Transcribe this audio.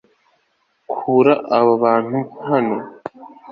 kura abo bantu hano